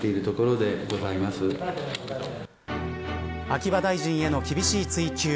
秋葉大臣への厳しい追及。